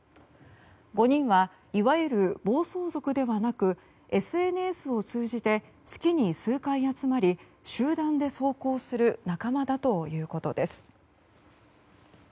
５人は、いわゆる暴走族ではなくＳＮＳを通じて、月に数回集まり集団で走行する仲間だということです。